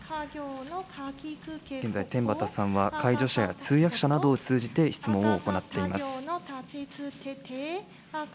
現在、天畠さんは介助者や通訳者などを通じて質問を行っています。